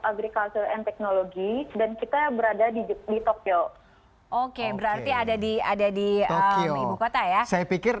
agriculture and technology dan kita berada di jepang di tokyo oke berarti ada di ada di tokyo saya pikir